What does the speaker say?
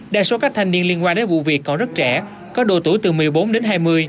đa số các thanh niên liên quan đến vụ việc còn rất trẻ có độ tuổi từ một mươi bốn đến hai mươi